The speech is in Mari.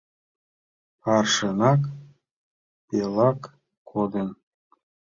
Аршынак пелак кодын: